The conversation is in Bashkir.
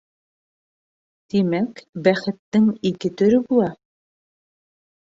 Тимәк, бәхеттең ике төрө була.